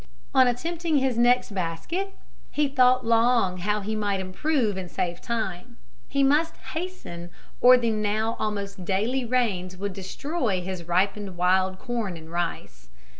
On attempting his next basket, he thought long how he might improve and save time. He must hasten, or the now almost daily rains would destroy his ripened wild corn and rice.